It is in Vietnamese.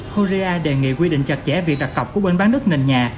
horea đề nghị quy định chặt chẽ việc đặt cọc của bên bán đất nền nhà